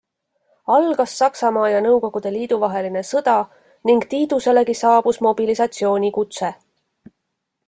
Algas Saksamaa ja Nõukogude Liidu vaheline sõda ning Tiiduselegi saabus mobilisatsioonikutse.